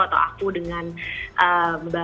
atau aku dengan mbak